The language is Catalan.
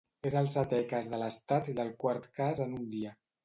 És el setè cas de l'Estat i el quart cas en un dia.